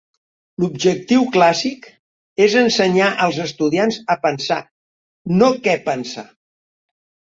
L'objectiu Clàssic és ensenyar als estudiants a pensar, no què pensar.